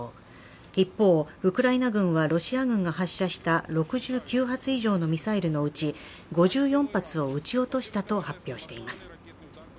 一方、ウクライナ軍はロシア軍が発射した６９発以上のミサイルのうち５４発を撃ち落としたと発表しています。